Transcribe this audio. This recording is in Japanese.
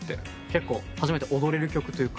結構初めて踊れる曲というか。